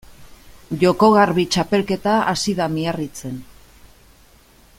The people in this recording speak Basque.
Joko Garbi txapelketa hasi da Miarritzen.